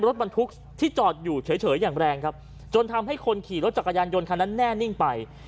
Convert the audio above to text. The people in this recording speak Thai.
รถบรรทุกที่จอดอยู่เฉยอย่างแรงครับจนทำให้คนขี่รถจักรยานยนต์คันนั้นแน่นิ่งไป